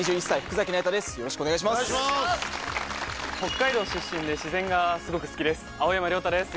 北海道出身で自然がすごく好きです青山凌大です